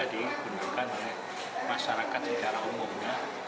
yang bisa digunakan oleh masyarakat secara umumnya